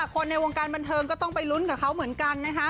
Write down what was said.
คนในวงการบันเทิงก็ต้องไปลุ้นกับเขาเหมือนกันนะคะ